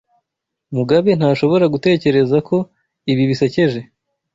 Mugabe ntashobora gutekereza ko ibi bisekeje.